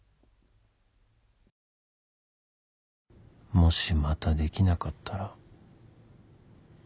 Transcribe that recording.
もしまたできなかったら